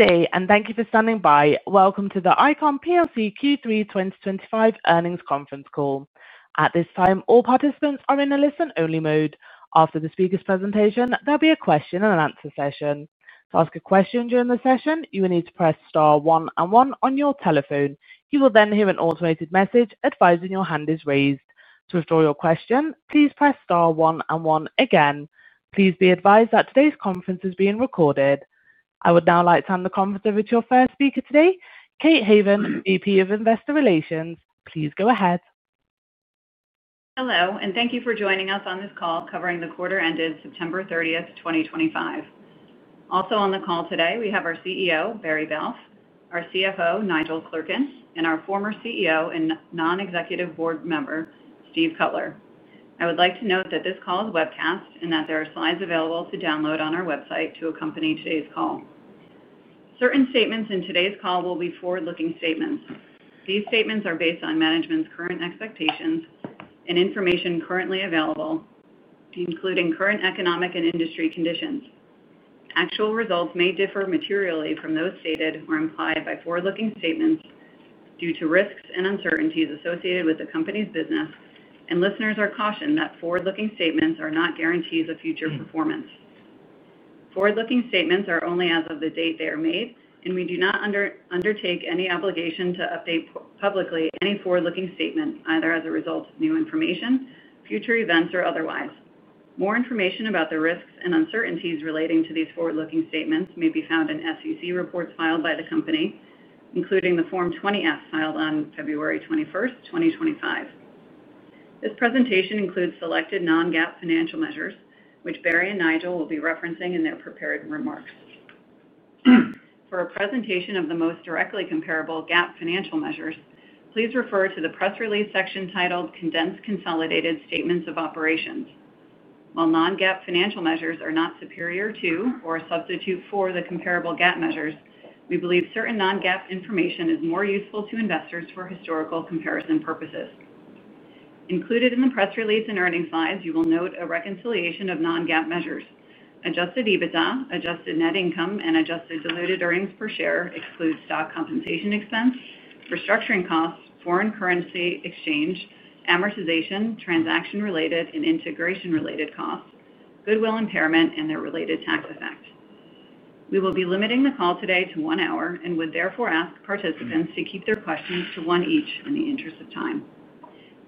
Stay, and thank you for standing by. Welcome to the ICON plc Q3 2025 earnings conference call. At this time, all participants are in a listen-only mode. After the speaker's presentation, there'll be a question and answer session. To ask a question during the session, you will need to press star one and one on your telephone. You will then hear an automated message advising your hand is raised. To withdraw your question, please press star one and one again. Please be advised that today's conference is being recorded. I would now like to hand the conference over to our first speaker today, Kate Haven, VP of Investor Relations. Please go ahead. Hello, and thank you for joining us on this call covering the quarter ended September 30, 2025. Also on the call today, we have our CEO, Barry Balfe, our CFO, Nigel Clerkin, and our former CEO and non-executive board member, Dr. Steve Cutler. I would like to note that this call is webcast and that there are slides available to download on our website to accompany today's call. Certain statements in today's call will be forward-looking statements. These statements are based on management's current expectations and information currently available, including current economic and industry conditions. Actual results may differ materially from those stated or implied by forward-looking statements due to risks and uncertainties associated with the company's business, and listeners are cautioned that forward-looking statements are not guarantees of future performance. Forward-looking statements are only as of the date they are made, and we do not undertake any obligation to update publicly any forward-looking statement, either as a result of new information, future events, or otherwise. More information about the risks and uncertainties relating to these forward-looking statements may be found in SEC reports filed by the company, including the Form 20-F filed on February 21st, 2025. This presentation includes selected non-GAAP financial measures, which Barry and Nigel will be referencing in their prepared remarks. For a presentation of the most directly comparable GAAP financial measures, please refer to the press release section titled "Condensed Consolidated Statements of Operations." While non-GAAP financial measures are not superior to or a substitute for the comparable GAAP measures, we believe certain non-GAAP information is more useful to investors for historical comparison purposes. Included in the press release and earnings slides, you will note a reconciliation of non-GAAP measures. Adjusted EBITDA, adjusted net income, and adjusted diluted earnings per share exclude stock compensation expense, restructuring costs, foreign currency exchange, amortization, transaction-related and integration-related costs, goodwill impairment, and their related tax effect. We will be limiting the call today to one hour and would therefore ask participants to keep their questions to one each in the interest of time.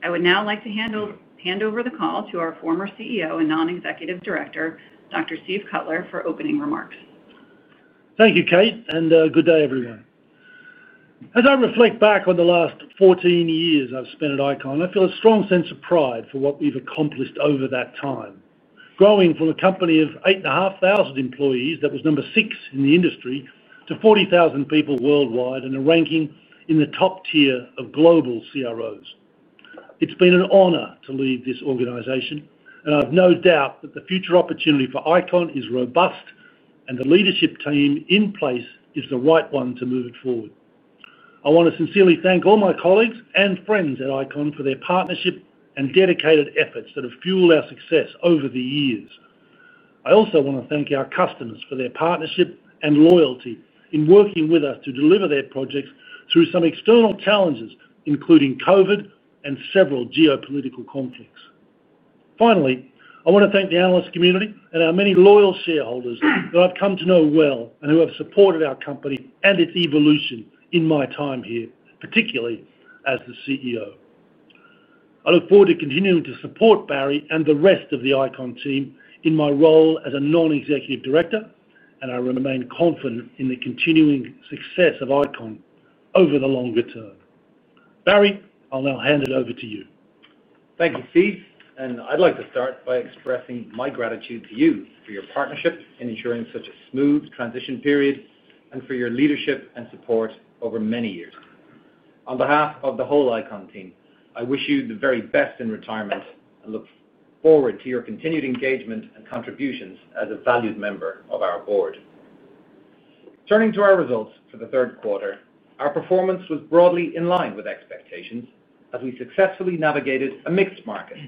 I would now like to hand over the call to our former CEO and non-executive director, Dr. Steve Cutler, for opening remarks. Thank you, Kate, and good day, everyone. As I reflect back on the last 14 years I've spent at ICON, I feel a strong sense of pride for what we've accomplished over that time, growing from a company of 8,500 employees that was number six in the industry to 40,000 people worldwide and a ranking in the top tier of global CROs. It's been an honor to lead this organization, and I have no doubt that the future opportunity for ICON plc is robust and the leadership team in place is the right one to move it forward. I want to sincerely thank all my colleagues and friends at ICON plc for their partnership and dedicated efforts that have fueled our success over the years. I also want to thank our customers for their partnership and loyalty in working with us to deliver their projects through some external challenges, including COVID and several geopolitical conflicts. Finally, I want to thank the analyst community and our many loyal shareholders that I've come to know well and who have supported our company and its evolution in my time here, particularly as the CEO. I look forward to continuing to support Barry and the rest of the ICON team in my role as a non-executive director, and I remain confident in the continuing success of ICON over the longer term. Barry, I'll now hand it over to you. Thank you, Steve, and I'd like to start by expressing my gratitude to you for your partnership in ensuring such a smooth transition period and for your leadership and support over many years. On behalf of the whole ICON team, I wish you the very best in retirement and look forward to your continued engagement and contributions as a valued member of our board. Turning to our results for the third quarter, our performance was broadly in line with expectations as we successfully navigated a mixed market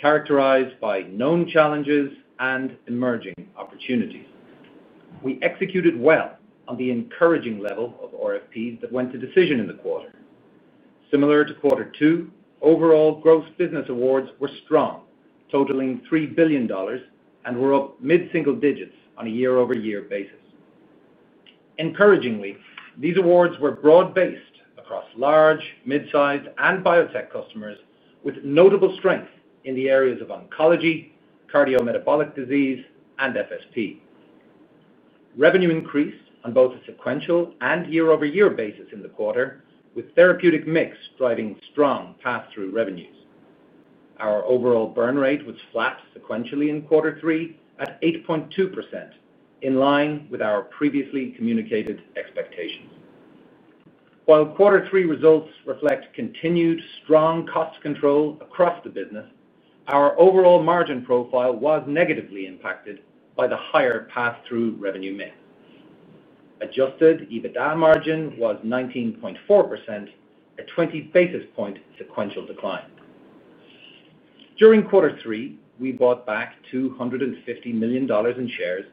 characterized by known challenges and emerging opportunities. We executed well on the encouraging level of RFPs that went to decision in the quarter. Similar to quarter two, overall gross business awards were strong, totaling $3 billion and were up mid-single digits on a year-over-year basis. Encouragingly, these awards were broad-based across large, mid-sized, and biotech customers with notable strength in the areas of oncology, cardiometabolic disease, and FFP. Revenue increased on both a sequential and year-over-year basis in the quarter, with therapeutic mix driving strong pass-through revenues. Our overall burn rate was flat sequentially in quarter three at 8.2%, in line with our previously communicated expectations. While quarter three results reflect continued strong cost control across the business, our overall margin profile was negatively impacted by the higher pass-through revenue mix. Adjusted EBITDA margin was 19.4%, a 20 basis point sequential decline. During quarter three, we bought back $250 million in shares,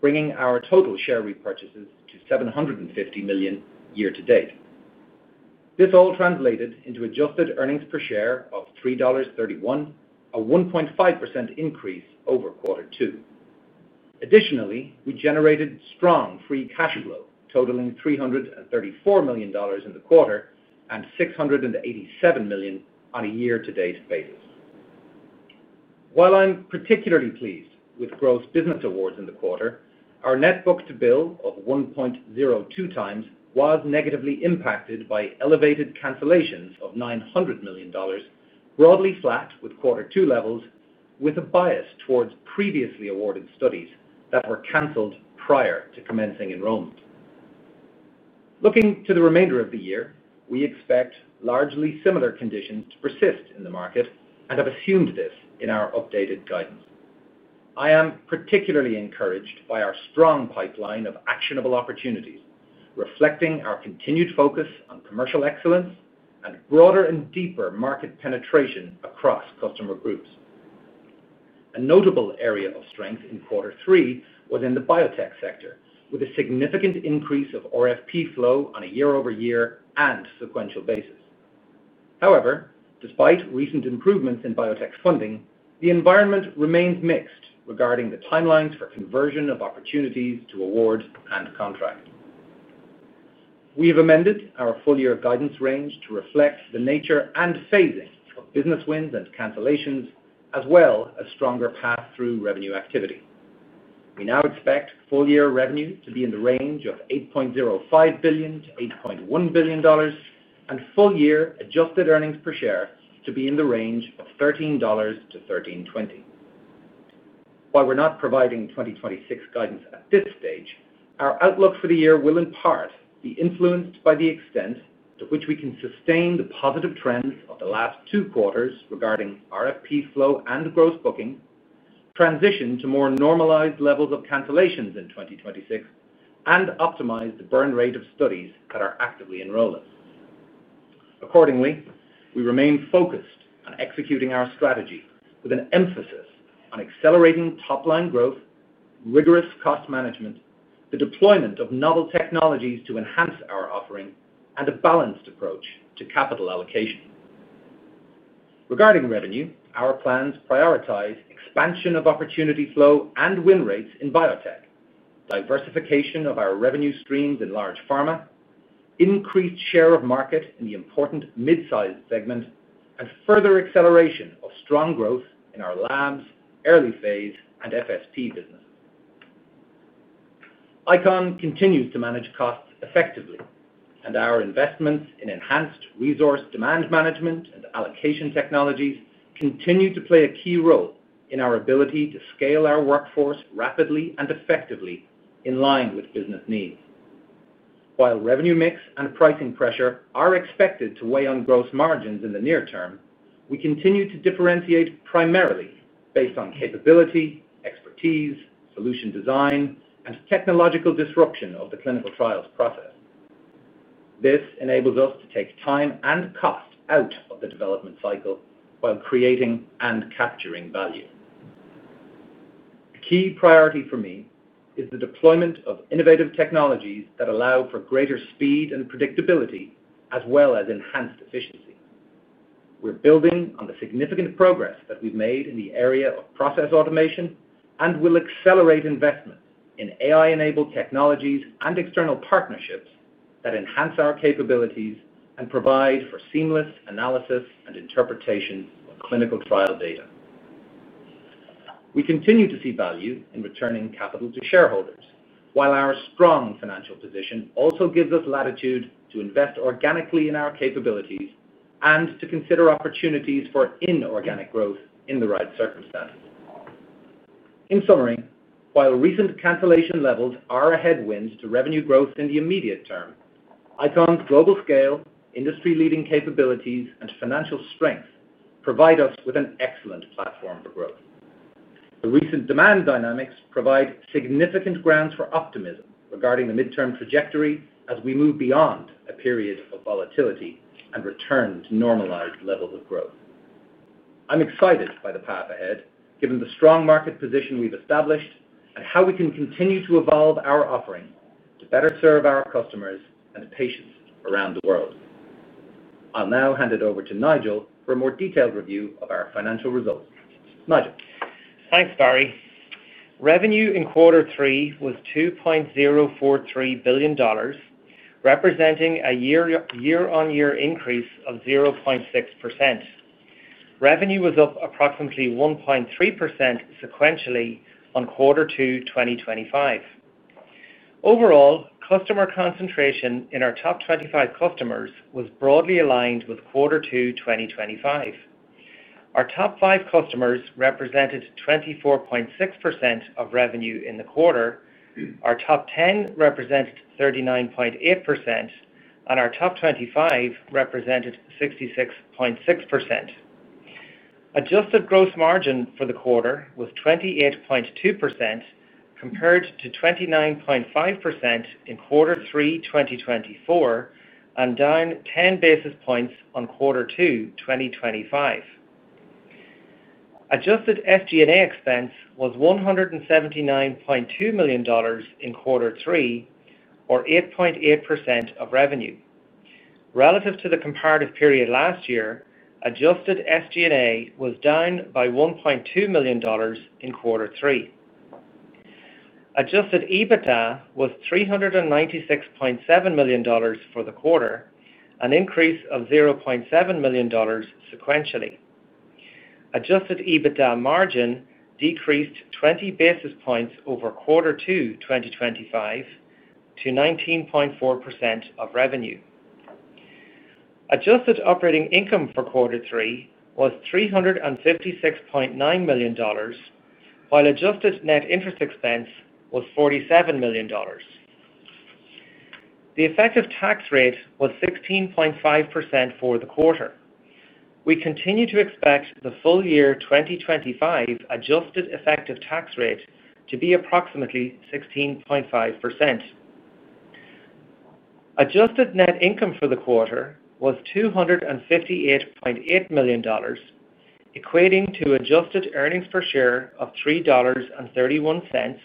bringing our total share repurchases to $750 million year to date. This all translated into adjusted earnings per share of $3.31, a 1.5% increase over quarter two. Additionally, we generated strong free cash flow, totaling $334 million in the quarter and $687 million on a year-to-date basis. While I'm particularly pleased with gross business awards in the quarter, our net book-to-bill of 1.02 times was negatively impacted by elevated cancellations of $900 million, broadly flat with quarter two levels, with a bias towards previously awarded studies that were canceled prior to commencing enrollment. Looking to the remainder of the year, we expect largely similar conditions to persist in the market and have assumed this in our updated guidance. I am particularly encouraged by our strong pipeline of actionable opportunities, reflecting our continued focus on commercial excellence and broader and deeper market penetration across customer groups. A notable area of strength in quarter three was in the biotech sector, with a significant increase of RFP flow on a year-over-year and sequential basis. However, despite recent improvements in biotech funding, the environment remains mixed regarding the timelines for conversion of opportunities to awards and contracts. We have amended our full-year guidance range to reflect the nature and phasing of business wins and cancellations, as well as stronger pass-through revenue activity. We now expect full-year revenue to be in the range of $8.05 billion - $8.1 billion, and full-year adjusted earnings per share to be in the range of $13 - $13.20. While we're not providing 2026 guidance at this stage, our outlook for the year will in part be influenced by the extent to which we can sustain the positive trends of the last two quarters regarding RFP flow and gross booking, transition to more normalized levels of cancellations in 2026, and optimize the burn rate of studies that are actively enrolling. Accordingly, we remain focused on executing our strategy with an emphasis on accelerating top-line growth, rigorous cost management, the deployment of novel technologies to enhance our offering, and a balanced approach to capital allocation. Regarding revenue, our plans prioritize expansion of opportunity flow and win rates in biotech, diversification of our revenue streams in large pharma, increased share of market in the important mid-sized segment, and further acceleration of strong growth in our labs, early-phase, and FFP businesses. ICON continues to manage costs effectively, and our investments in enhanced resource demand management and allocation technologies continue to play a key role in our ability to scale our workforce rapidly and effectively in line with business needs. While revenue mix and pricing pressure are expected to weigh on gross margins in the near term, we continue to differentiate primarily based on capability, expertise, solution design, and technological disruption of the clinical trials process. This enables us to take time and cost out of the development cycle while creating and capturing value. A key priority for me is the deployment of innovative technologies that allow for greater speed and predictability, as well as enhanced efficiency. We're building on the significant progress that we've made in the area of process automation and will accelerate investments in AI-enabled technologies and external partnerships that enhance our capabilities and provide for seamless analysis and interpretation of clinical trial data. We continue to see value in returning capital to shareholders, while our strong financial position also gives us latitude to invest organically in our capabilities and to consider opportunities for inorganic growth in the right circumstances. In summary, while recent cancellation levels are a headwind to revenue growth in the immediate term, ICON's global scale, industry-leading capabilities, and financial strength provide us with an excellent platform for growth. The recent demand dynamics provide significant grounds for optimism regarding the midterm trajectory as we move beyond a period of volatility and return to normalized levels of growth. I'm excited by the path ahead, given the strong market position we've established and how we can continue to evolve our offering to better serve our customers and patients around the world. I'll now hand it over to Nigel for a more detailed review of our financial results. Nigel. Thanks, Barry. Revenue in quarter three was $2.043 billion, representing a year-on-year increase of 0.6%. Revenue was up approximately 1.3% sequentially on quarter two, 2025. Overall, customer concentration in our top 25 customers was broadly aligned with quarter two, 2025. Our top five customers represented 24.6% of revenue in the quarter, our top 10 represented 39.8%, and our top 25 represented 66.6%. Adjusted gross margin for the quarter was 28.2% compared to 29.5% in quarter three, 2024, and down 10 basis points on quarter two, 2025. Adjusted FG&A expense was $179.2 million in quarter three, or 8.8% of revenue. Relative to the comparative period last year, adjusted FG&A was down by $1.2 million in quarter three. Adjusted EBITDA was $396.7 million for the quarter, an increase of $0.7 million sequentially. Adjusted EBITDA margin decreased 20 basis points over quarter two, 2025, to 19.4% of revenue. Adjusted operating income for quarter three was $356.9 million, while adjusted net interest expense was $47 million. The effective tax rate was 16.5% for the quarter. We continue to expect the full-year 2025 adjusted effective tax rate to be approximately 16.5%. Adjusted net income for the quarter was $258.8 million, equating to adjusted earnings per share of $3.31,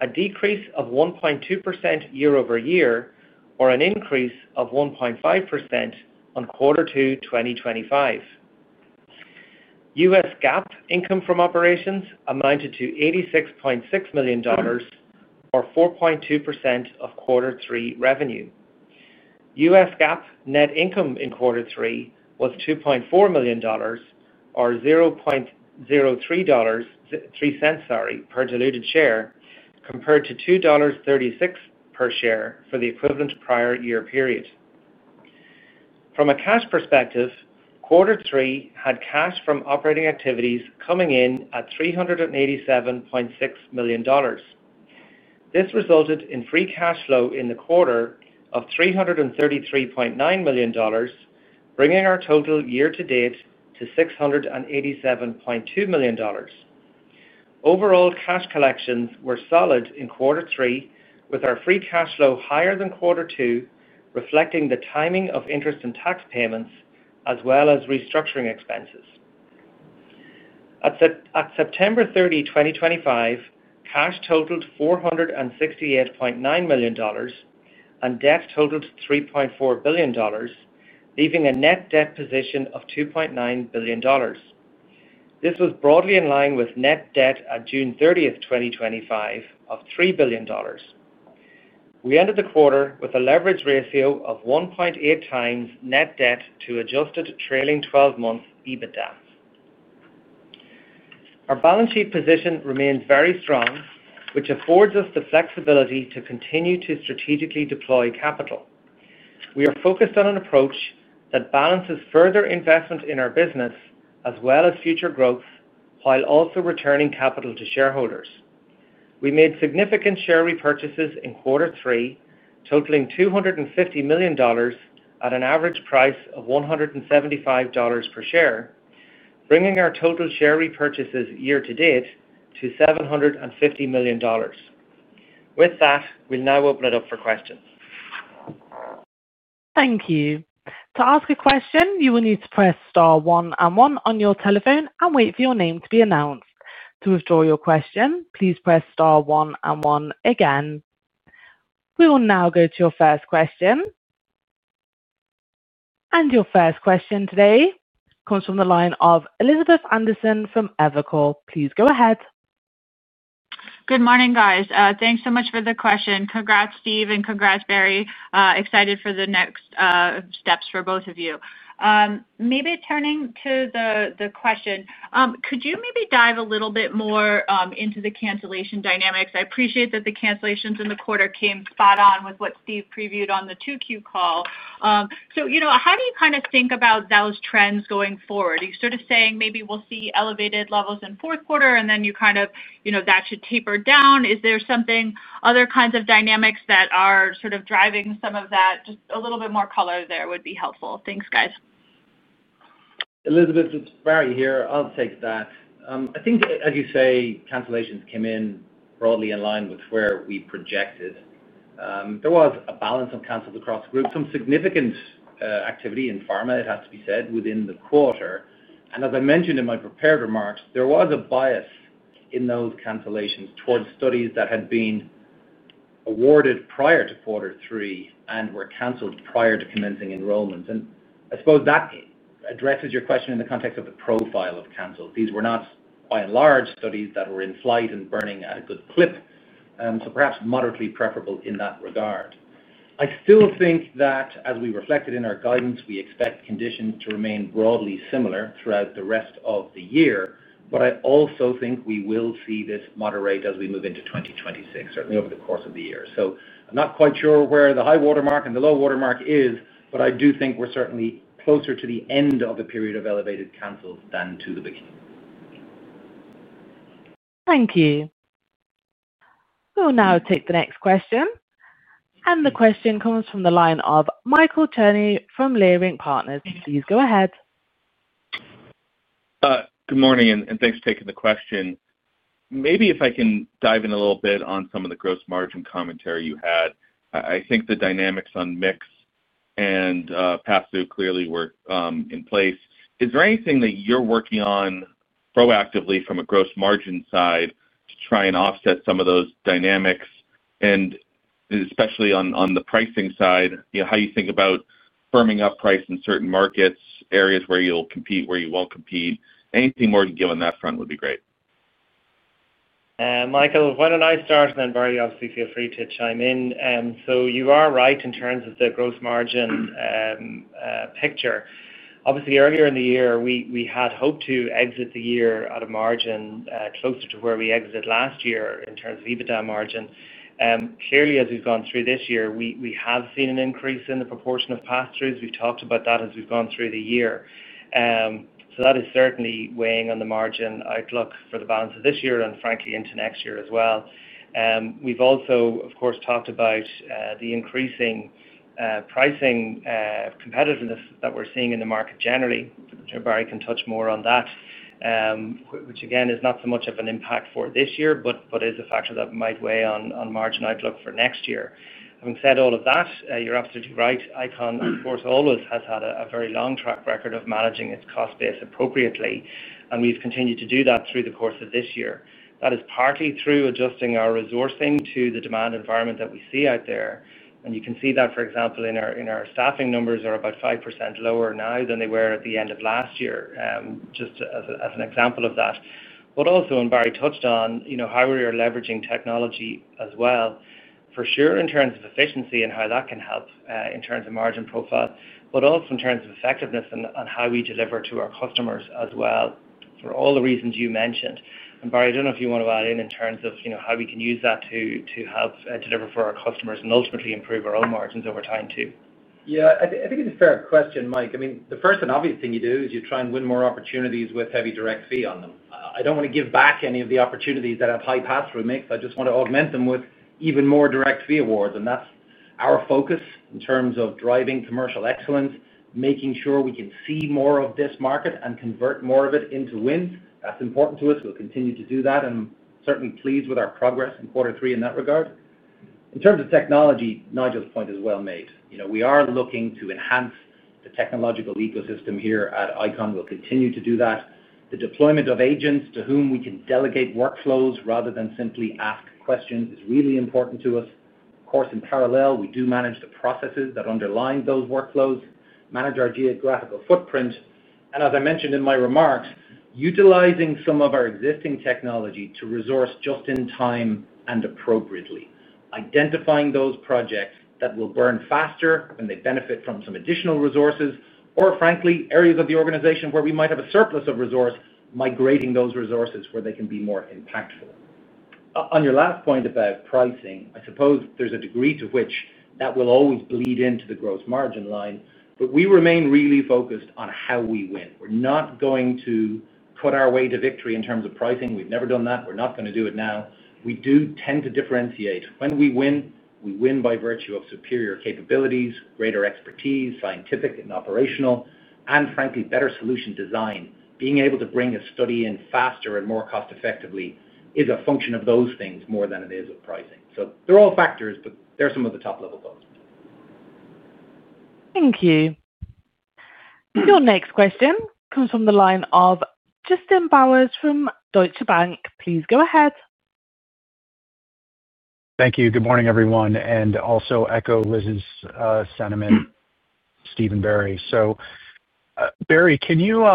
a decrease of 1.2% year-over-year, or an increase of 1.5% on quarter two, 2025. U.S. GAAP income from operations amounted to $86.6 million, or 4.2% of quarter three revenue. U.S. GAAP net income in quarter three was $2.4 million, or $0.03 per diluted share, compared to $2.36 per share for the equivalent prior year period. From a cash perspective, quarter three had cash from operating activities coming in at $387.6 million. This resulted in free cash flow in the quarter of $333.9 million, bringing our total year to date to $687.2 million. Overall, cash collections were solid in quarter three, with our free cash flow higher than quarter two, reflecting the timing of interest and tax payments, as well as restructuring expenses. At September 30, 2025, cash totaled $468.9 million and debt totaled $3.4 billion, leaving a net debt position of $2.9 billion. This was broadly in line with net debt at June 30, 2025, of $3 billion. We ended the quarter with a leverage ratio of 1.8x net debt to adjusted trailing 12 months EBITDA. Our balance sheet position remains very strong, which affords us the flexibility to continue to strategically deploy capital. We are focused on an approach that balances further investment in our business as well as future growth, while also returning capital to shareholders. We made significant share repurchases in quarter three, totaling $250 million at an average price of $175 per share, bringing our total share repurchases year to date to $750 million. With that, we'll now open it up for questions. Thank you. To ask a question, you will need to press star one and one on your telephone and wait for your name to be announced. To withdraw your question, please press star one and one again. We will now go to your first question. Your first question today comes from the line of Elizabeth Anderson from Evercore. Please go ahead. Good morning, guys. Thanks so much for the question. Congrats, Steve, and congrats, Barry. Excited for the next steps for both of you. Maybe turning to the question, could you maybe dive a little bit more into the cancellation dynamics? I appreciate that the cancellations in the quarter came spot on with what Steve previewed on the 2Q call. You know, how do you kind of think about those trends going forward? Are you sort of saying maybe we'll see elevated levels in the fourth quarter, and then you kind of, you know, that should taper down? Is there something, other kinds of dynamics that are sort of driving some of that? Just a little bit more color there would be helpful. Thanks, guys. Elizabeth, it's Barry here. I'll take that. I think, as you say, cancellations came in broadly in line with where we projected. There was a balance on cancels across group. Some significant activity in pharma, it has to be said, within the quarter. As I mentioned in my prepared remarks, there was a bias in those cancellations towards studies that had been awarded prior to quarter three and were canceled prior to commencing enrollment. I suppose that addresses your question in the context of the profile of cancels. These were not, by and large, studies that were in flight and burning at a good clip, so perhaps moderately preferable in that regard. I still think that, as we reflected in our guidance, we expect conditions to remain broadly similar throughout the rest of the year. I also think we will see this moderate as we move into 2026, certainly over the course of the year. I'm not quite sure where the high watermark and the low watermark is, but I do think we're certainly closer to the end of a period of elevated cancels than to the beginning. Thank you. We'll now take the next question. The question comes from the line of Michael Cherny from Leerink Partners. Please go ahead. Good morning, and thanks for taking the question. Maybe if I can dive in a little bit on some of the gross margin commentary you had. I think the dynamics on mix and pass-through clearly were in place. Is there anything that you're working on proactively from a gross margin side to try and offset some of those dynamics? Especially on the pricing side, you know, how you think about firming up price in certain markets, areas where you'll compete, where you won't compete. Anything more to give on that front would be great. Michael, why don't I start? Barry, obviously, feel free to chime in. You are right in terms of the gross margin picture. Earlier in the year, we had hoped to exit the year at a margin closer to where we exited last year in terms of adjusted EBITDA margin. Clearly, as we've gone through this year, we have seen an increase in the proportion of pass-throughs. We've talked about that as we've gone through the year. That is certainly weighing on the margin outlook for the balance of this year and, frankly, into next year as well. We've also, of course, talked about the increasing pricing competitiveness that we're seeing in the market generally. I'm sure Barry can touch more on that, which again, is not so much of an impact for this year, but is a factor that might weigh on margin outlook for next year. Having said all of that, you're absolutely right. ICON, of course, always has had a very long track record of managing its cost base appropriately, and we've continued to do that through the course of this year. That is partly through adjusting our resourcing to the demand environment that we see out there. You can see that, for example, in our staffing numbers, which are about 5% lower now than they were at the end of last year, just as an example of that. Also, Barry touched on how we are leveraging technology as well, for sure, in terms of efficiency and how that can help in terms of margin profile, but also in terms of effectiveness and how we deliver to our customers as well for all the reasons you mentioned. Barry, I don't know if you want to add in terms of how we can use that to help deliver for our customers and ultimately improve our own margins over time, too. Yeah. I think it's a fair question, Mike. I mean, the first and obvious thing you do is you try and win more opportunities with heavy direct fee on them. I don't want to give back any of the opportunities that have high pass-through mix. I just want to augment them with even more direct fee awards. That's our focus in terms of driving commercial excellence, making sure we can see more of this market and convert more of it into wins. That's important to us. We'll continue to do that, and I'm certainly pleased with our progress in quarter three in that regard. In terms of technology, Nigel's point is well made. You know, we are looking to enhance the technological ecosystem here at ICON. We'll continue to do that. The deployment of agents to whom we can delegate workflows rather than simply ask questions is really important to us. Of course, in parallel, we do manage the processes that underline those workflows, manage our geographical footprint, and as I mentioned in my remarks, utilizing some of our existing technology to resource just in time and appropriately, identifying those projects that will burn faster and they benefit from some additional resources, or, frankly, areas of the organization where we might have a surplus of resource, migrating those resources where they can be more impactful. On your last point about pricing, I suppose there's a degree to which that will always bleed into the gross margin line, but we remain really focused on how we win. We're not going to cut our way to victory in terms of pricing. We've never done that. We're not going to do it now. We do tend to differentiate. When we win, we win by virtue of superior capabilities, greater expertise, scientific and operational, and, frankly, better solution design. Being able to bring a study in faster and more cost-effectively is a function of those things more than it is of pricing. They're all factors, but they're some of the top-level thoughts. Thank you. Your next question comes from the line of Justin Bowers from Deutsche Bank. Please go ahead. Thank you. Good morning, everyone. I also echo Liz's sentiment, Steven Barry. Barry, can you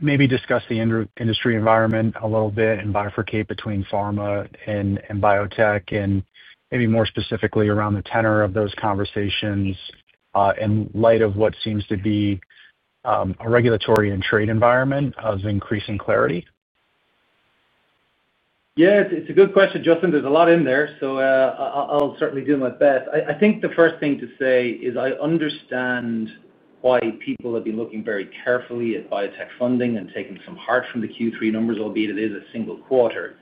maybe discuss the industry environment a little bit and bifurcate between pharma and biotech, and maybe more specifically around the tenor of those conversations in light of what seems to be a regulatory and trade environment of increasing clarity? Yeah. It's a good question, Justin. There's a lot in there. I'll certainly do my best. I think the first thing to say is I understand why people have been looking very carefully at biotech funding and taking some heart from the Q3 numbers, albeit it is a single quarter.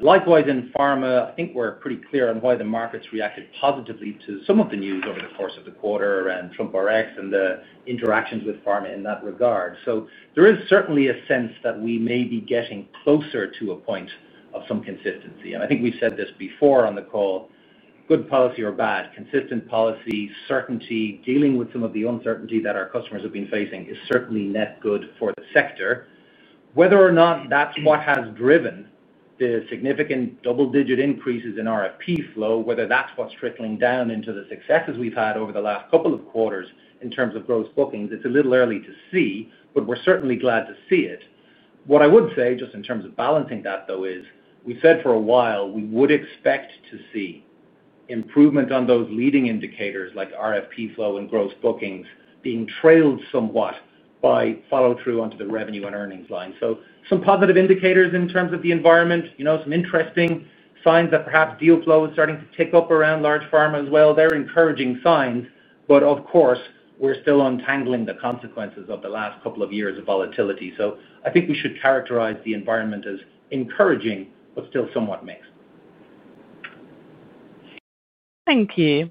Likewise, in pharma, I think we're pretty clear on why the markets reacted positively to some of the news over the course of the quarter and TrumpRx and the interactions with pharma in that regard. There is certainly a sense that we may be getting closer to a point of some consistency. I think we've said this before on the call. Good policy or bad, consistent policy, certainty, dealing with some of the uncertainty that our customers have been facing is certainly net good for the sector. Whether or not that's what has driven the significant double-digit increases in RFP flow, whether that's what's trickling down into the successes we've had over the last couple of quarters in terms of gross bookings, it's a little early to see, but we're certainly glad to see it. What I would say, just in terms of balancing that, though, is we've said for a while we would expect to see improvement on those leading indicators like RFP flow and gross bookings being trailed somewhat by follow-through onto the revenue and earnings line. Some positive indicators in terms of the environment, you know, some interesting signs that perhaps deal flow is starting to tick up around large pharma as well. They're encouraging signs, of course, we're still untangling the consequences of the last couple of years of volatility. I think we should characterize the environment as encouraging but still somewhat mixed. Thank you.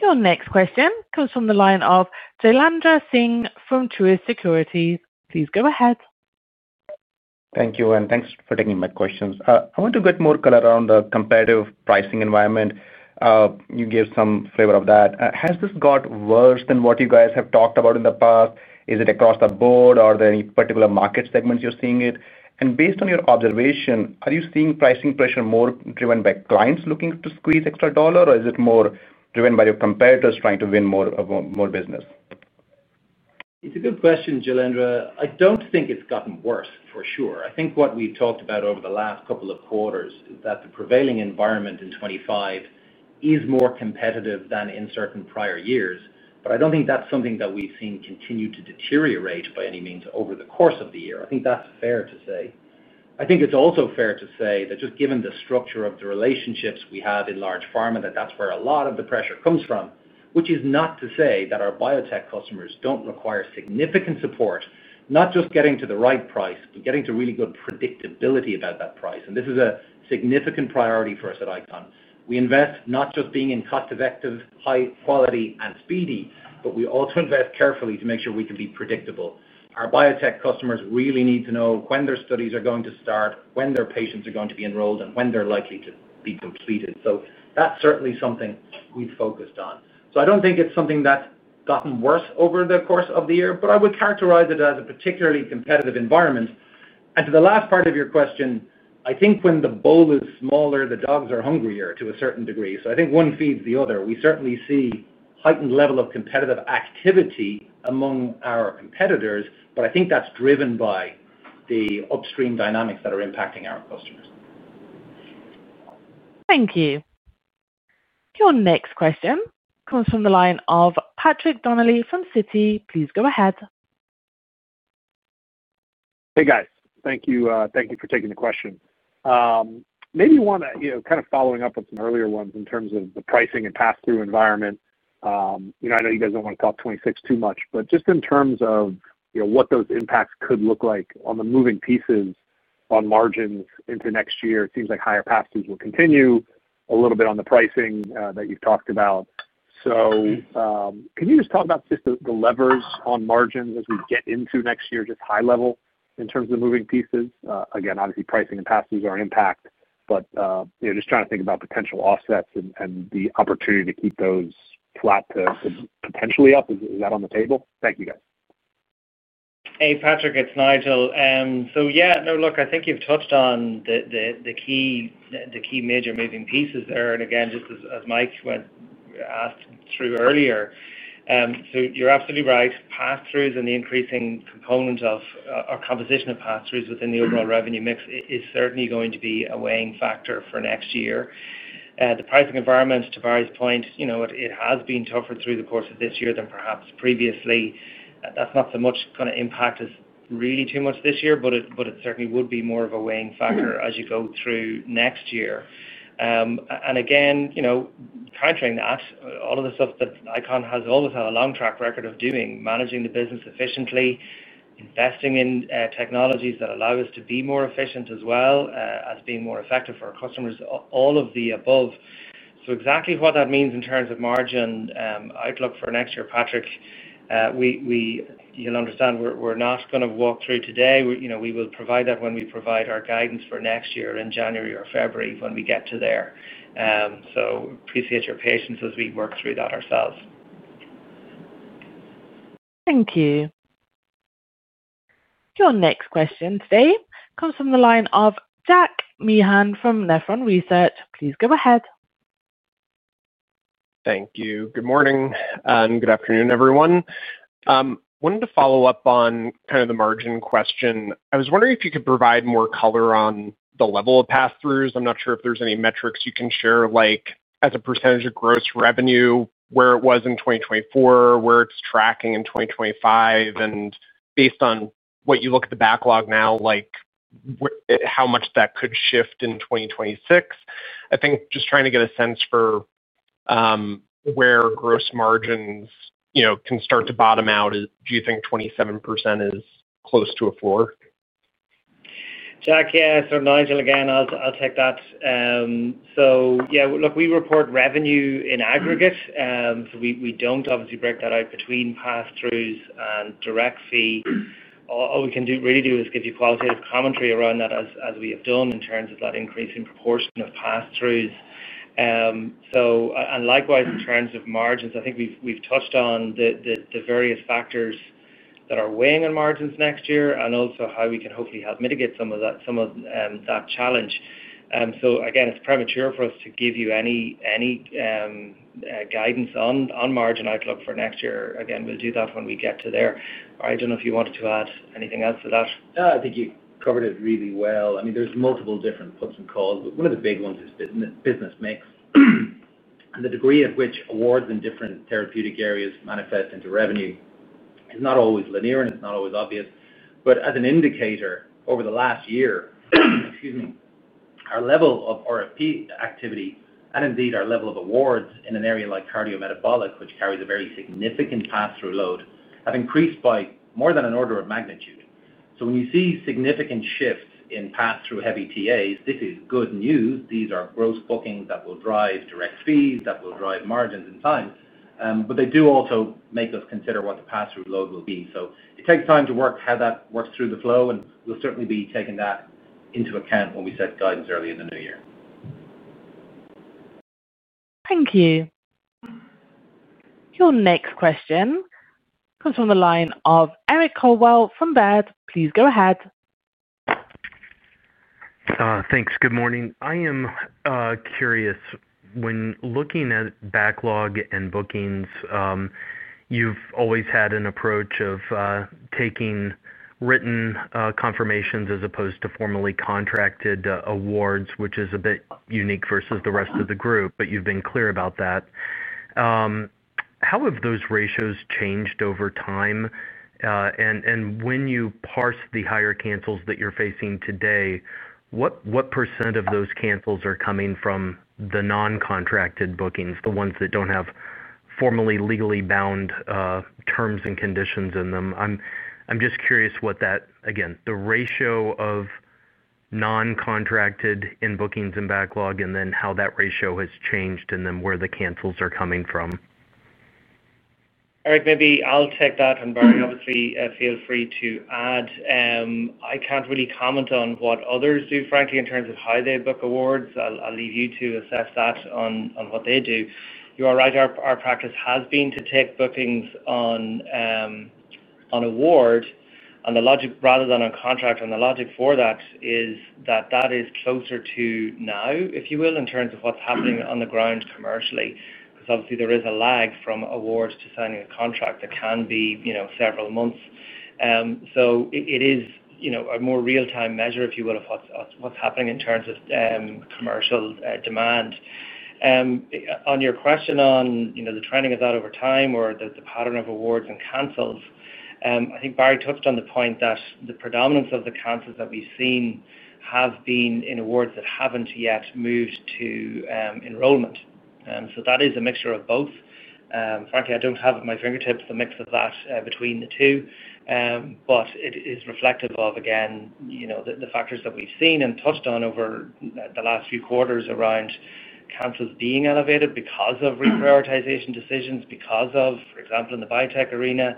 Your next question comes from the line of Jailendra Singh from Truist Securities. Please go ahead. Thank you, and thanks for taking my questions. I want to get more color around the comparative pricing environment. You gave some flavor of that. Has this got worse than what you guys have talked about in the past? Is it across the board? Are there any particular market segments you're seeing it? Based on your observation, are you seeing pricing pressure more driven by clients looking to squeeze extra dollar, or is it more driven by your competitors trying to win more business? It's a good question, Jailendra. I don't think it's gotten worse, for sure. I think what we've talked about over the last couple of quarters is that the prevailing environment in 2025 is more competitive than in certain prior years, but I don't think that's something that we've seen continue to deteriorate by any means over the course of the year. I think that's fair to say. I think it's also fair to say that just given the structure of the relationships we have in large pharma, that's where a lot of the pressure comes from, which is not to say that our biotech customers don't require significant support, not just getting to the right price, but getting to really good predictability about that price. This is a significant priority for us at ICON. We invest not just in being cost-effective, high quality, and speedy, but we also invest carefully to make sure we can be predictable. Our biotech customers really need to know when their studies are going to start, when their patients are going to be enrolled, and when they're likely to be completed. That's certainly something we've focused on. I don't think it's something that's gotten worse over the course of the year, but I would characterize it as a particularly competitive environment. To the last part of your question, I think when the bowl is smaller, the dogs are hungrier to a certain degree. I think one feeds the other. We certainly see a heightened level of competitive activity among our competitors, but I think that's driven by the upstream dynamics that are impacting our customers. Thank you. Your next question comes from the line of Patrick Donnelly from Citi. Please go ahead. Hey, guys. Thank you. Thank you for taking the question. Maybe you want to, you know, kind of follow up with some earlier ones in terms of the pricing and pass-through environment. You know, I know you guys don't want to talk 2026 too much, but just in terms of, you know, what those impacts could look like on the moving pieces on margins into next year, it seems like higher pass-throughs will continue a little bit on the pricing that you've talked about. Can you just talk about the levers on margins as we get into next year, just high level in terms of the moving pieces? Again, obviously, pricing and pass-throughs are an impact, but, you know, just trying to think about potential offsets and the opportunity to keep those flat to potentially up. Is that on the table? Thank you, guys. Hey, Patrick. It's Nigel. I think you've touched on the key major moving pieces there. Just as Mike went asked through earlier, you're absolutely right. Pass-throughs and the increasing component of, or composition of pass-throughs within the overall revenue mix is certainly going to be a weighing factor for next year. The pricing environment, to Barry's point, it has been tougher through the course of this year than perhaps previously. That's not so much going to impact us really too much this year, but it certainly would be more of a weighing factor as you go through next year. Countering that, all of the stuff that ICON has always had a long track record of doing, managing the business efficiently, investing in technologies that allow us to be more efficient as well as being more effective for our customers, all of the above. Exactly what that means in terms of margin outlook for next year, Patrick, you'll understand we're not going to walk through today. We will provide that when we provide our guidance for next year in January or February when we get to there. Appreciate your patience as we work through that ourselves. Thank you. Your next question, Steve, comes from the line of Jack Meehan from Nephron Research. Please go ahead. Thank you. Good morning and good afternoon, everyone. I wanted to follow up on kind of the margin question. I was wondering if you could provide more color on the level of pass-throughs. I'm not sure if there's any metrics you can share, like as a percentage of gross revenue, where it was in 2024, where it's tracking in 2025, and based on what you look at the backlog now, how much that could shift in 2026. I think just trying to get a sense for where gross margins can start to bottom out. Do you think 27% is close to a floor? Yes, Nigel, again, I'll take that. We report revenue in aggregate, so we don't obviously break that out between pass-throughs and direct fee. All we can do is give you qualitative commentary around that as we have done in terms of that increasing proportion of pass-throughs. Likewise, in terms of margins, I think we've touched on the various factors that are weighing on margins next year and also how we can hopefully help mitigate some of that challenge. Again, it's premature for us to give you any guidance on margin outlook for next year. We'll do that when we get to there. I don't know if you wanted to add anything else to that. Yeah, I think you covered it really well. I mean, there's multiple different puts and calls, but one of the big ones is business mix and the degree at which awards in different therapeutic areas manifest into revenue. It's not always linear, and it's not always obvious. As an indicator, over the last year, our level of RFP activity and indeed our level of awards in an area like cardiometabolic, which carries a very significant pass-through load, have increased by more than an order of magnitude. When you see significant shifts in pass-through heavy TAs, this is good news. These are gross bookings that will drive direct fees, that will drive margins in time, but they do also make us consider what the pass-through load will be. It takes time to work how that works through the flow, and we'll certainly be taking that into account when we set guidance early in the new year. Thank you. Your next question comes from the line of Eric Coldwell from Baird. Please go ahead. Thanks. Good morning. I am curious. When looking at backlog and bookings, you've always had an approach of taking written confirmations as opposed to formally contracted awards, which is a bit unique versus the rest of the group, but you've been clear about that. How have those ratios changed over time? When you parse the higher cancels that you're facing today, what percent of those cancels are coming from the non-contracted bookings, the ones that don't have formally legally bound terms and conditions in them? I'm just curious what that, again, the ratio of non-contracted in bookings and backlog, and then how that ratio has changed, and then where the cancels are coming from. Eric, maybe I'll take that, and Barry, obviously, feel free to add. I can't really comment on what others do, frankly, in terms of how they book awards. I'll leave you to assess that on what they do. You are right. Our practice has been to take bookings on award, rather than on contract, and the logic for that is that is closer to now, if you will, in terms of what's happening on the ground commercially. Obviously, there is a lag from awards to signing a contract. That can be, you know, several months. It is a more real-time measure, if you will, of what's happening in terms of commercial demand. On your question on the trending of that over time or the pattern of awards and cancels, I think Barry touched on the point that the predominance of the cancels that we've seen have been in awards that haven't yet moved to enrollment. That is a mixture of both. Frankly, I don't have at my fingertips the mix of that between the two, but it is reflective of, again, the factors that we've seen and touched on over the last few quarters around cancels being elevated because of reprioritization decisions, because of, for example, in the biotech arena,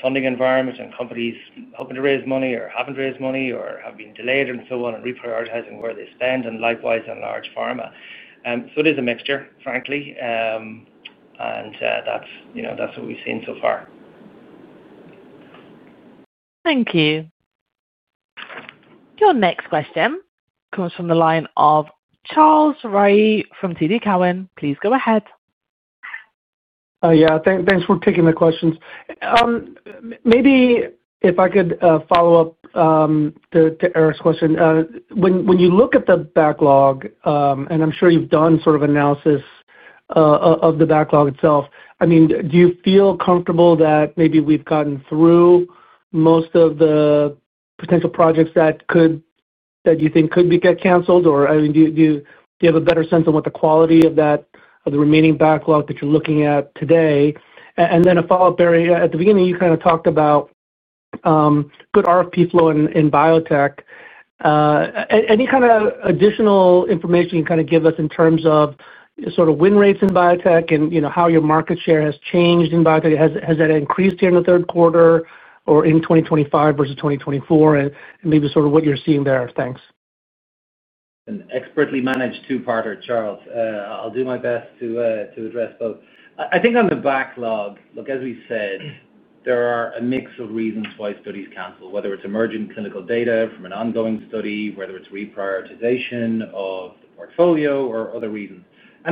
funding environment and companies hoping to raise money or haven't raised money or have been delayed and so on and reprioritizing where they spend, and likewise in large pharma. It is a mixture, frankly, and that's what we've seen so far. Thank you. Your next question comes from the line of Charles Rhyee from TD Cowen. Please go ahead. Yeah. Thanks for taking the questions. Maybe if I could follow up to Eric's question. When you look at the backlog, and I'm sure you've done sort of analysis of the backlog itself, do you feel comfortable that maybe we've gotten through most of the potential projects that you think could get canceled? Or do you have a better sense of what the quality of the remaining backlog that you're looking at today is? A follow-up, Barry. At the beginning, you kind of talked about good RFP flow in biotech. Any kind of additional information you can give us in terms of win rates in biotech and how your market share has changed in biotech? Has that increased here in the third quarter or in 2025 versus 2024? Maybe what you're seeing there. Thanks. An expertly managed two-parter, Charles. I'll do my best to address both. I think on the backlog, look, as we said, there are a mix of reasons why studies cancel, whether it's emerging clinical data from an ongoing study, whether it's reprioritization of the portfolio, or other reasons.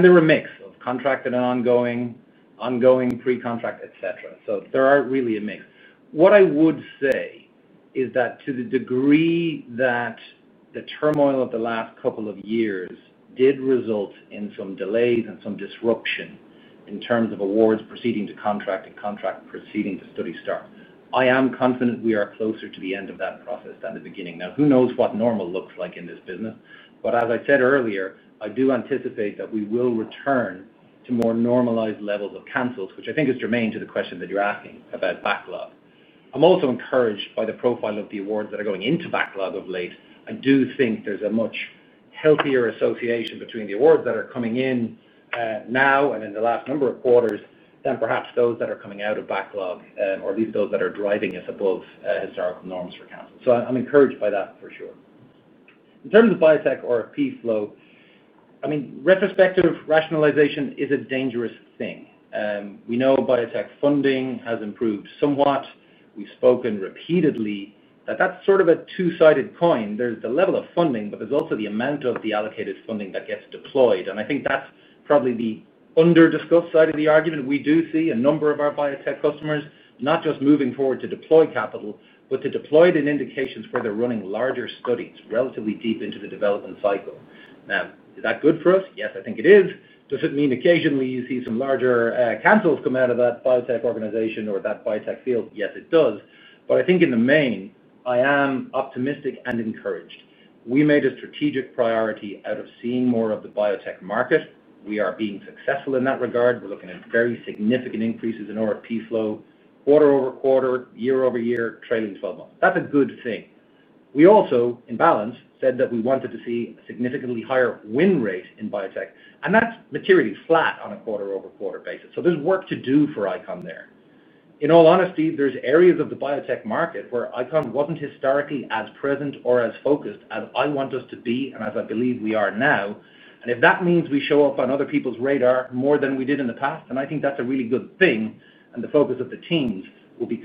There are a mix of contracted and ongoing, ongoing, pre-contract, etc. There are really a mix. What I would say is that to the degree that the turmoil of the last couple of years did result in some delays and some disruption in terms of awards proceeding to contract and contract proceeding to study start, I am confident we are closer to the end of that process than the beginning. Now, who knows what normal looks like in this business? As I said earlier, I do anticipate that we will return to more normalized levels of cancels, which I think is germane to the question that you're asking about backlog. I'm also encouraged by the profile of the awards that are going into backlog of late. I do think there's a much healthier association between the awards that are coming in now and in the last number of quarters than perhaps those that are coming out of backlog, or at least those that are driving us above historical norms for cancels. I'm encouraged by that for sure. In terms of biotech RFP flow, retrospective rationalization is a dangerous thing. We know biotech funding has improved somewhat. We've spoken repeatedly that that's sort of a two-sided coin. There's the level of funding, but there's also the amount of the allocated funding that gets deployed. I think that's probably the under-discussed side of the argument. We do see a number of our biotech customers not just moving forward to deploy capital, but to deploy it in indications where they're running larger studies relatively deep into the development cycle. Now, is that good for us? Yes, I think it is. Does it mean occasionally you see some larger cancels come out of that biotech organization or that biotech field? Yes, it does. I think in the main, I am optimistic and encouraged. We made a strategic priority out of seeing more of the biotech market. We are being successful in that regard. We're looking at very significant increases in RFP flow, quarter over quarter, year-over-year, trailing 12 months. That's a good thing. We also, in balance, said that we wanted to see a significantly higher win rate in biotech, and that's materially flat on a quarter over quarter basis. There is work to do for ICON there. In all honesty, there are areas of the biotech market where ICON was not historically as present or as focused as I want us to be and as I believe we are now. If that means we show up on other people's radar more than we did in the past, I think that is a really good thing, and the focus of the teams will be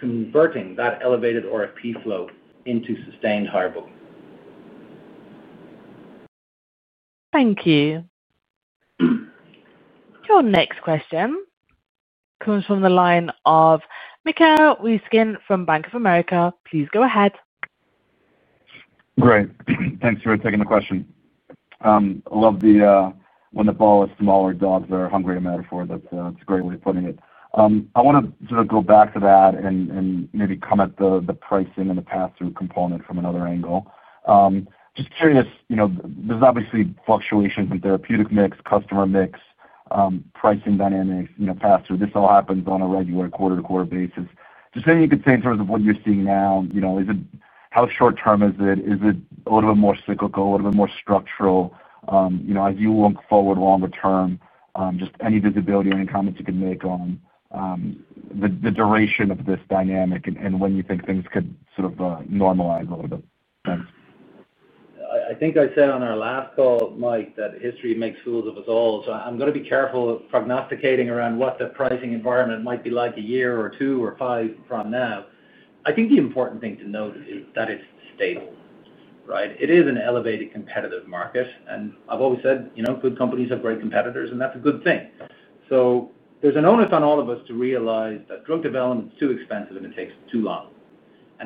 converting that elevated RFP flow into sustained higher booking. Thank you. Your next question comes from the line of Michael Ryskin from Bank of America. Please go ahead. Great. Thanks for taking the question. I love the, when the ball is small or dogs are hungry metaphor. That's a great way of putting it. I want to sort of go back to that and maybe come at the pricing and the pass-through component from another angle. Just curious, you know, there's obviously fluctuation from therapeutic mix, customer mix, pricing dynamics, pass-through. This all happens on a regular quarter-to-quarter basis. Anything you could say in terms of what you're seeing now? Is it how short-term is it? Is it a little bit more cyclical, a little bit more structural? As you look forward longer term, any visibility or any comments you can make on the duration of this dynamic and when you think things could sort of normalize a little bit. Thanks. I think I said on our last call, Mike, that history makes fools of us all. I'm going to be careful of prognosticating around what the pricing environment might be like a year or two or five from now. I think the important thing to note is that it's stable, right? It is an elevated competitive market. I've always said, you know, good companies have great competitors, and that's a good thing. There's an onus on all of us to realize that drug development is too expensive and it takes too long.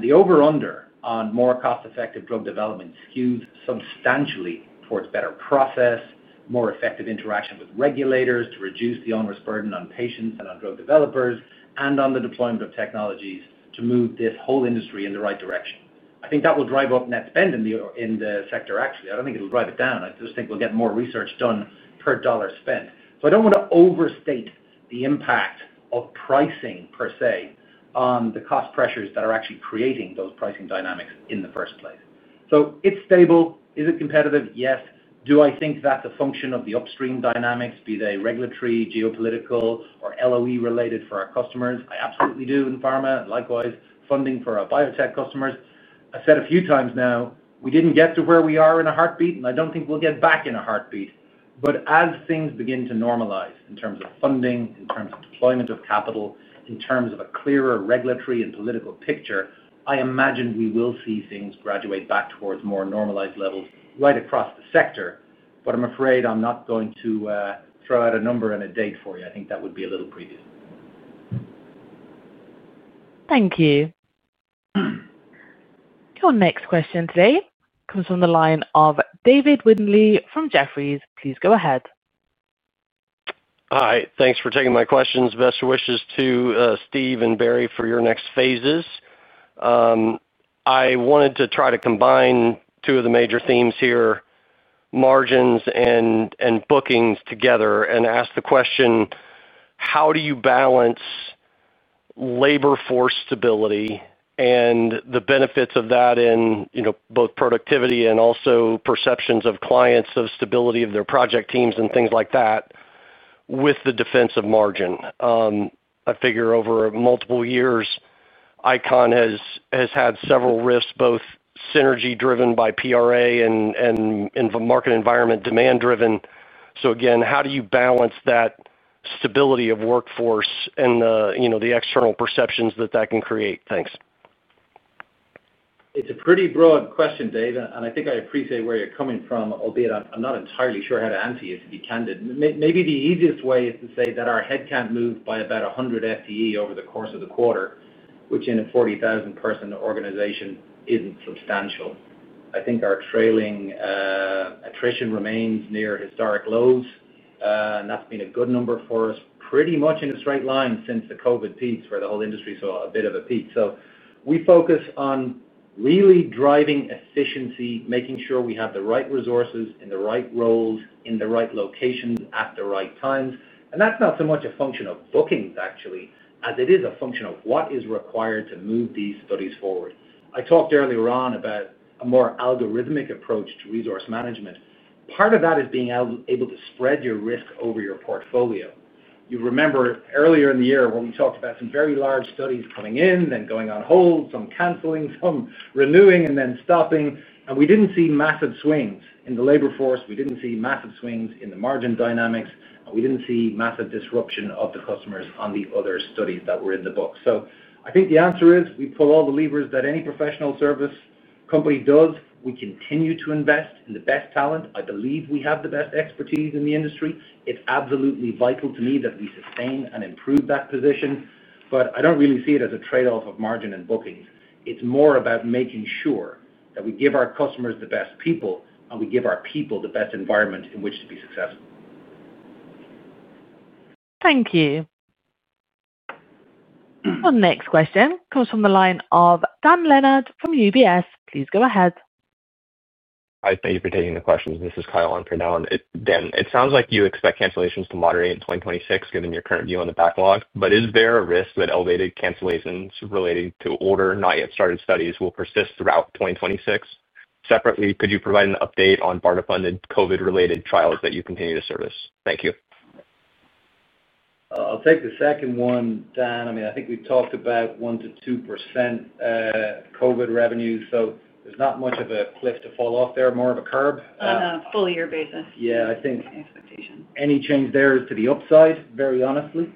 The over-under on more cost-effective drug development skews substantially towards better process, more effective interaction with regulators to reduce the on-risk burden on patients and on drug developers, and on the deployment of technologies to move this whole industry in the right direction. I think that will drive up net spend in the sector, actually. I don't think it'll drive it down. I just think we'll get more research done per dollar spent. I don't want to overstate the impact of pricing per se on the cost pressures that are actually creating those pricing dynamics in the first place. It's stable. Is it competitive? Yes. Do I think that's a function of the upstream dynamics, be they regulatory, geopolitical, or LOE-related for our customers? I absolutely do in pharma, and likewise, funding for our biotech customers. I've said a few times now, we didn't get to where we are in a heartbeat, and I don't think we'll get back in a heartbeat. As things begin to normalize in terms of funding, in terms of deployment of capital, in terms of a clearer regulatory and political picture, I imagine we will see things graduate back towards more normalized levels right across the sector. I'm afraid I'm not going to throw out a number and a date for you. I think that would be a little previous. Thank you. Your next question, Steve, comes from the line of David Windley from Jefferies. Please go ahead. Hi. Thanks for taking my questions. Best wishes to Steve and Barry for your next phases. I wanted to try to combine two of the major themes here, margins and bookings together, and ask the question, how do you balance labor force stability and the benefits of that in both productivity and also perceptions of clients of stability of their project teams and things like that with the defense of margin? I figure over multiple years, ICON has had several risks, both synergy-driven by PRA and in the market environment demand-driven. How do you balance that stability of workforce and the external perceptions that that can create? Thanks. It's a pretty broad question, David, and I think I appreciate where you're coming from, albeit I'm not entirely sure how to answer you, to be candid. Maybe the easiest way is to say that our headcount moved by about 100 FTE over the course of the quarter, which in a 40,000-person organization isn't substantial. I think our trailing attrition remains near historic lows, and that's been a good number for us, pretty much in a straight line since the COVID peaks, where the whole industry saw a bit of a peak. We focus on really driving efficiency, making sure we have the right resources in the right roles, in the right locations, at the right times. That's not so much a function of bookings, actually, as it is a function of what is required to move these studies forward. I talked earlier on about a more algorithmic approach to resource management. Part of that is being able to spread your risk over your portfolio. You remember earlier in the year when we talked about some very large studies coming in, then going on hold, some canceling, some renewing, and then stopping. We didn't see massive swings in the labor force. We didn't see massive swings in the margin dynamics, and we didn't see massive disruption of the customers on the other studies that were in the book. I think the answer is we pull all the levers that any professional service company does. We continue to invest in the best talent. I believe we have the best expertise in the industry. It's absolutely vital to me that we sustain and improve that position. I don't really see it as a trade-off of margin and bookings. It's more about making sure that we give our customers the best people and we give our people the best environment in which to be successful. Thank you. Your next question comes from the line of Dan Leonard from UBS. Please go ahead. Hi. Thank you for taking the questions. This is Kyle on for Dan. It sounds like you expect cancellations to moderate in 2026, given your current view on the backlog. Is there a risk that elevated cancellations related to older, not yet started studies will persist throughout 2026? Separately, could you provide an update on BARDA-funded COVID-related trials that you continue to service? Thank you. I'll take the second one, Dan. I mean, I think we've talked about 1% to 2% COVID revenue. There's not much of a cliff to fall off there, more of a curb. On a full-year basis. Yeah, I think any change there is to the upside, very honestly.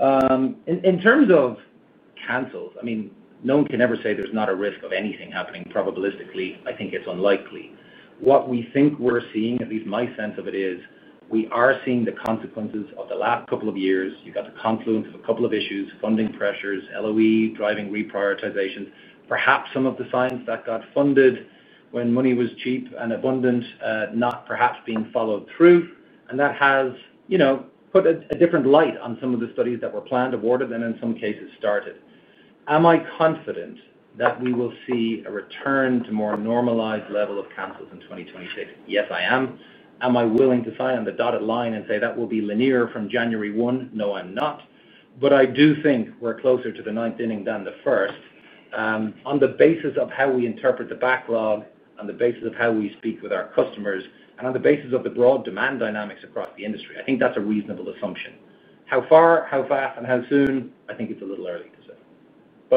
In terms of cancels, I mean, no one can ever say there's not a risk of anything happening probabilistically. I think it's unlikely. What we think we're seeing, at least my sense of it is, we are seeing the consequences of the last couple of years. You've got the confluence of a couple of issues, funding pressures, LOE driving reprioritizations, perhaps some of the science that got funded when money was cheap and abundant, not perhaps being followed through. That has, you know, put a different light on some of the studies that were planned, awarded, and in some cases, started. Am I confident that we will see a return to more normalized level of cancels in 2026? Yes, I am. Am I willing to sign on the dotted line and say that will be linear from January 1? No, I'm not. I do think we're closer to the ninth inning than the first, on the basis of how we interpret the backlog, on the basis of how we speak with our customers, and on the basis of the broad demand dynamics across the industry. I think that's a reasonable assumption. How far, how fast, and how soon, I think it's a little early to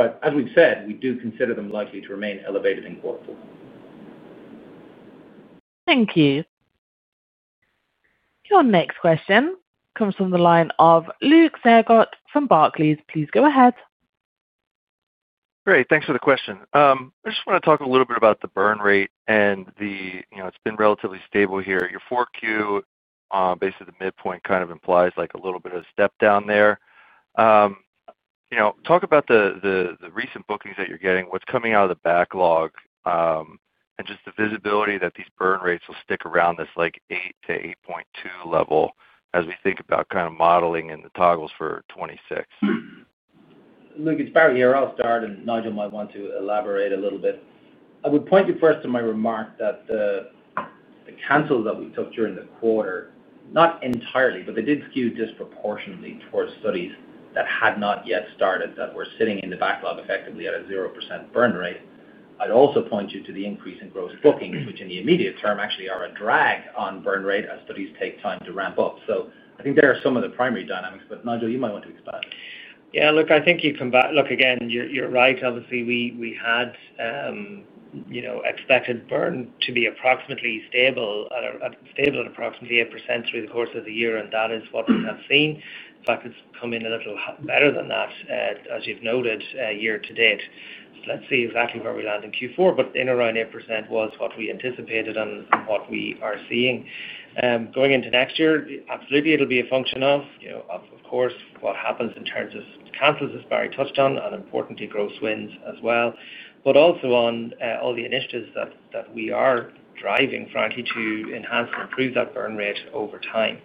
say. As we've said, we do consider them likely to remain elevated in quarter four. Thank you. Your next question comes from the line of Luke Sergott from Barclays. Please go ahead. Great. Thanks for the question. I just want to talk a little bit about the burn rate and, you know, it's been relatively stable here. Your 4Q, basically the midpoint kind of implies like a little bit of a step down there. You know, talk about the recent bookings that you're getting, what's coming out of the backlog, and just the visibility that these burn rates will stick around this like 8 - 8.2 level as we think about kind of modeling in the toggles for 2026. Luke, it's Barry here. I'll start, and Nigel might want to elaborate a little bit. I would point you first to my remark that the cancels that we took during the quarter, not entirely, but they did skew disproportionately towards studies that had not yet started that were sitting in the backlog effectively at a 0% burn rate. I'd also point you to the increase in gross bookings, which in the immediate term actually are a drag on burn rate as studies take time to ramp up. I think there are some of the primary dynamics, but Nigel, you might want to expand. Yeah. Look, I think you combat, look, again, you're right. Obviously, we had, you know, expected burn to be approximately stable at approximately 8% through the course of the year, and that is what we have seen. In fact, it's come in a little better than that, as you've noted, year to date. Let's see exactly where we land in Q4, but in around 8% was what we anticipated and what we are seeing. Going into next year, absolutely, it'll be a function of, you know, of course, what happens in terms of cancels as Barry touched on, and importantly, gross wins as well. Also, all the initiatives that we are driving, frankly, to enhance and improve that burn rate over time.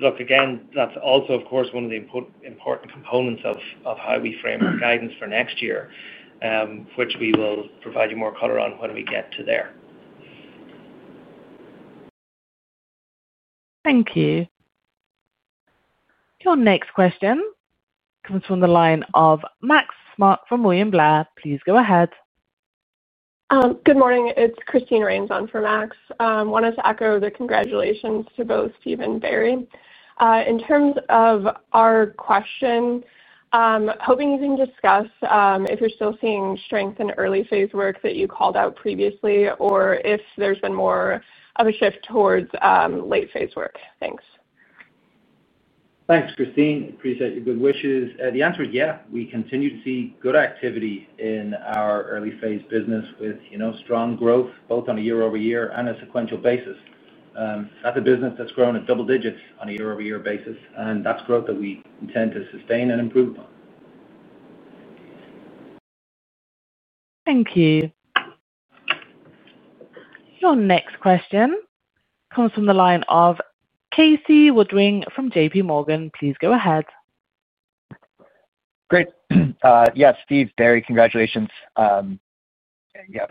Look, again, that's also, of course, one of the important components of how we frame our guidance for next year, which we will provide you more color on when we get to there. Thank you. Your next question comes from the line of Max Smock from William Blair. Please go ahead. Good morning. It's Christine Rains from Max. Wanted to echo the congratulations to both Steve and Barry. In terms of our question, hoping you can discuss if you're still seeing strength in early-phase work that you called out previously or if there's been more of a shift towards late-phase work. Thanks. Thanks, Christine. Appreciate your good wishes. The answer is yeah. We continue to see good activity in our early-phase business with strong growth both on a year-over-year and a sequential basis. That's a business that's grown at double digits on a year-over-year basis, and that's growth that we intend to sustain and improve on. Thank you. Your next question comes from the line of Casey Woodring from JPMorgan. Please go ahead. Great. Yeah, Steve, Barry, congratulations. Yeah.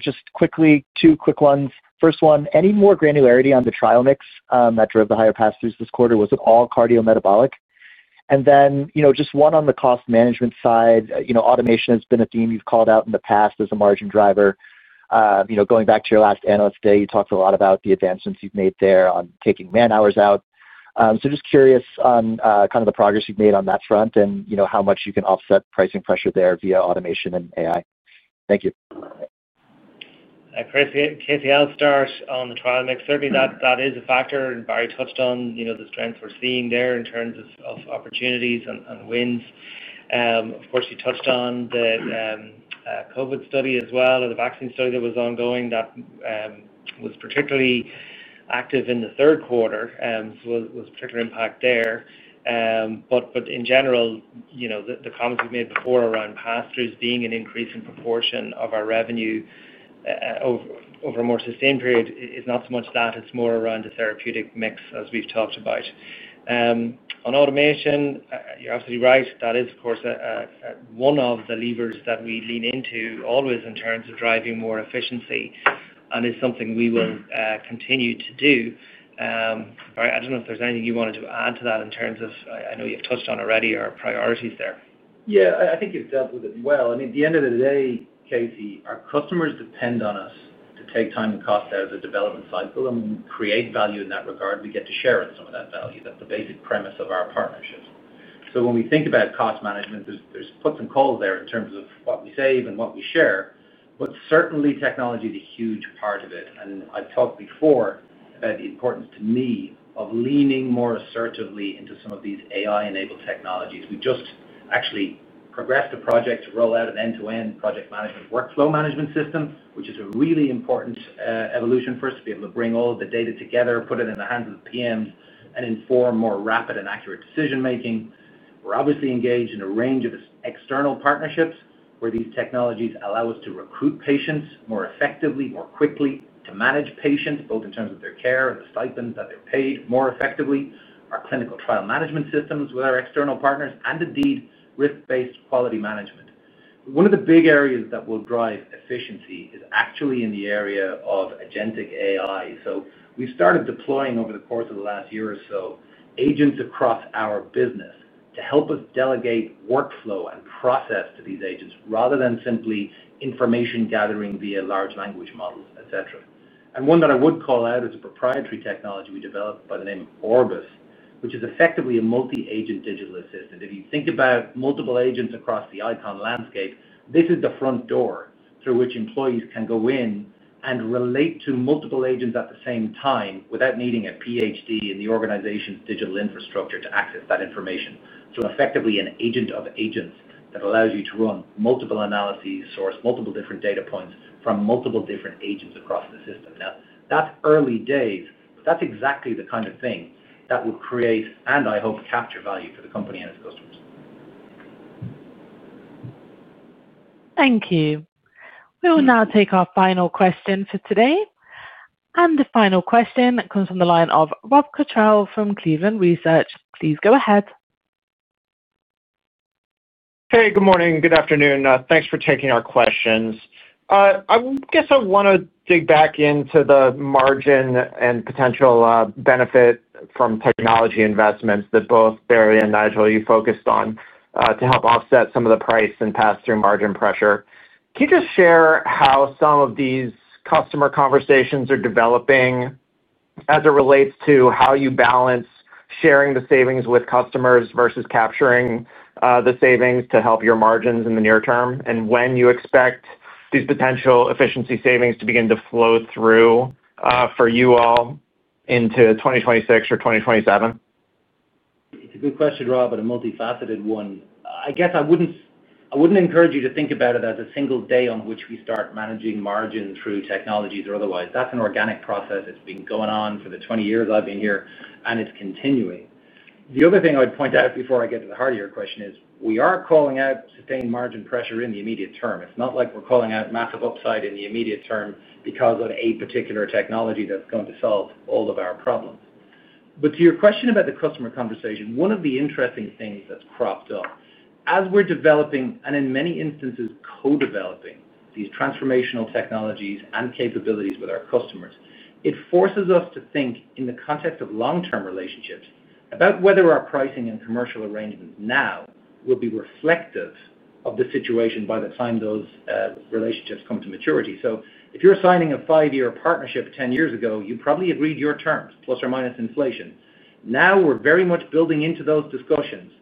Just quickly, two quick ones. First one, any more granularity on the trial mix that drove the higher pass-throughs this quarter? Was it all cardiometabolic? Just one on the cost management side, automation has been a theme you've called out in the past as a margin driver. Going back to your last analyst day, you talked a lot about the advancements you've made there on taking man-hours out. Just curious on the progress you've made on that front and how much you can offset pricing pressure there via automation and AI. Thank you. Christine, Casey, I'll start on the trial mix. Certainly, that is a factor, and Barry touched on the strengths we're seeing there in terms of opportunities and wins. Of course, you touched on the COVID study as well, or the vaccine study that was ongoing that was particularly active in the third quarter. There was a particular impact there. In general, the comments we've made before around pass-throughs being an increase in proportion of our revenue over a more sustained period is not so much that. It's more around a therapeutic mix as we've talked about. On automation, you're absolutely right. That is, of course, one of the levers that we lean into always in terms of driving more efficiency and is something we will continue to do. Barry, I don't know if there's anything you wanted to add to that in terms of, I know you've touched on already, our priorities there. I think you've dealt with it well. At the end of the day, Casey, our customers depend on us to take time and cost out of the development cycle and create value in that regard. We get to share in some of that value. That's the basic premise of our partnership. When we think about cost management, there's puts and calls there in terms of what we save and what we share. Certainly, technology is a huge part of it. I've talked before about the importance to me of leaning more assertively into some of these AI-enabled technologies. We just actually progressed a project to roll out an end-to-end project management workflow management system, which is a really important evolution for us to be able to bring all of the data together, put it in the hands of the PMs, and inform more rapid and accurate decision-making. We're obviously engaged in a range of external partnerships where these technologies allow us to recruit patients more effectively, more quickly, to manage patients both in terms of their care and the stipends that they're paid more effectively, our clinical trial management systems with our external partners, and indeed, risk-based quality management. One of the big areas that will drive efficiency is actually in the area of agentic AI. We've started deploying over the course of the last year or so agents across our business to help us delegate workflow and process to these agents rather than simply information gathering via large language models, etc. One that I would call out is a proprietary technology we developed by the name of Orbus, which is effectively a multi-agent digital assistant. If you think about multiple agents across the ICON landscape, this is the front door through which employees can go in and relate to multiple agents at the same time without needing a PhD in the organization's digital infrastructure to access that information. Effectively, an agent of agents that allows you to run multiple analyses, source multiple different data points from multiple different agents across the system. That's early days, but that's exactly the kind of thing that will create and I hope capture value for the company and its customers. Thank you. We will now take our final question for today. The final question comes from the line of Rob Cottrell from Cleveland Research. Please go ahead. Hey, good morning. Good afternoon. Thanks for taking our questions. I guess I want to dig back into the margin and potential benefit from technology investments that both Barry and Nigel, you focused on, to help offset some of the price and pass-through margin pressure. Can you just share how some of these customer conversations are developing as it relates to how you balance sharing the savings with customers versus capturing the savings to help your margins in the near term? When you expect these potential efficiency savings to begin to flow through, for you all into 2026 or 2027? It's a good question, Rob, but a multifaceted one. I guess I wouldn't encourage you to think about it as a single day on which we start managing margin through technologies or otherwise. That's an organic process. It's been going on for the 20 years I've been here, and it's continuing. The other thing I would point out before I get to the heart of your question is we are calling out sustained margin pressure in the immediate term. It's not like we're calling out massive upside in the immediate term because of a particular technology that's going to solve all of our problems. To your question about the customer conversation, one of the interesting things that's cropped up, as we're developing and in many instances co-developing these transformational technologies and capabilities with our customers, it forces us to think in the context of long-term relationships about whether our pricing and commercial arrangements now will be reflective of the situation by the time those relationships come to maturity. If you're signing a five-year partnership 10 years ago, you probably agreed to your terms, plus or minus inflation. Now we're very much building into those discussions.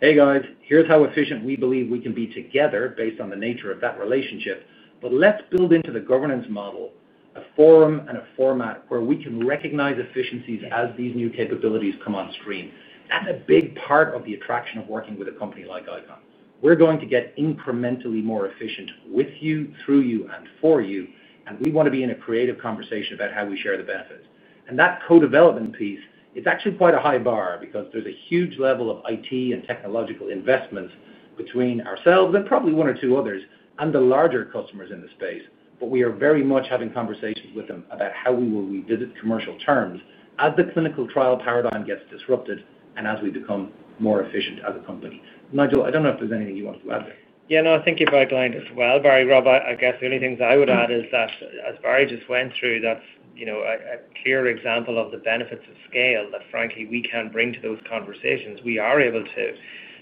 Hey, guys, here's how efficient we believe we can be together based on the nature of that relationship. Let's build into the governance model a forum and a format where we can recognize efficiencies as these new capabilities come on screen. That's a big part of the attraction of working with a company like ICON. We're going to get incrementally more efficient with you, through you, and for you, and we want to be in a creative conversation about how we share the benefits. That co-development piece, it's actually quite a high bar because there's a huge level of IT and technological investments between ourselves and probably one or two others and the larger customers in the space. We are very much having conversations with them about how we will revisit commercial terms as the clinical trial paradigm gets disrupted and as we become more efficient as a company. Nigel, I don't know if there's anything you wanted to add there. Yeah. No, I thank you for that line as well. Barry, Rob, I guess the only things I would add is that, as Barry just went through, that's a clear example of the benefits of scale that, frankly, we can bring to those conversations. We are able to,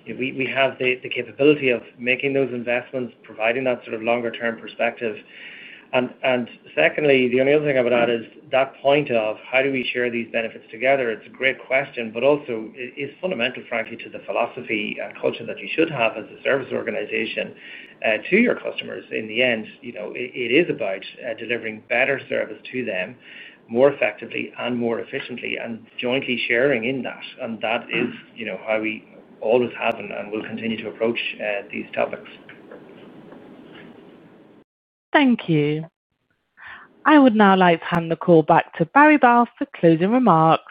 you know, we have the capability of making those investments, providing that sort of longer-term perspective. Secondly, the only other thing I would add is that point of how do we share these benefits together? It's a great question, but also is fundamental, frankly, to the philosophy and culture that you should have as a service organization, to your customers. In the end, you know, it is about delivering better service to them more effectively and more efficiently and jointly sharing in that. That is how we always have and will continue to approach these topics. Thank you. I would now like to hand the call back to Barry Balfe for closing remarks.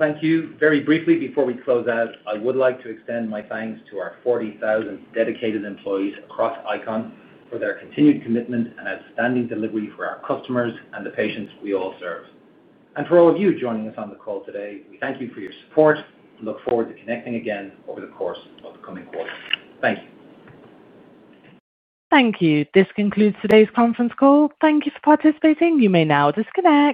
Thank you. Very briefly, before we close out, I would like to extend my thanks to our 40,000 dedicated employees across ICON for their continued commitment and outstanding delivery for our customers and the patients we all serve. For all of you joining us on the call today, we thank you for your support and look forward to connecting again over the course of the coming quarter. Thank you. Thank you. This concludes today's conference call. Thank you for participating. You may now disconnect.